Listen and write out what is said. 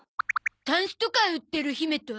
タンスとか売ってる姫と？